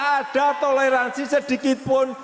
ada toleransi sedikitpun